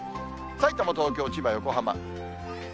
さいたま、東京、千葉、横浜。